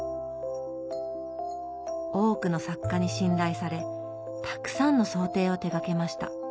多くの作家に信頼されたくさんの装丁を手がけました。